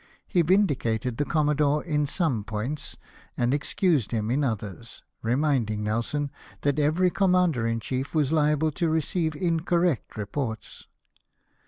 He vin dicated the commodore in some points, and excused him in others; reminding Nelson that every Com mander in Chief was liable to receive incorrect reports.